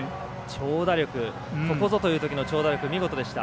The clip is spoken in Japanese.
ここぞというときの長打力、見事でした。